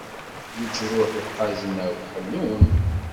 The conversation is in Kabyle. Leǧruḥ iqaẓen akk ḥellun.